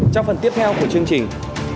trong phần tiếp theo của chương trình